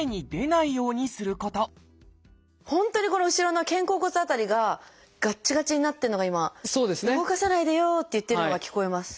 本当にこの後ろの肩甲骨辺りががっちがちになってるのが今「動かさないでよ」って言ってるのが聞こえます。